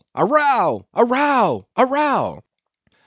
A row! a row! a row!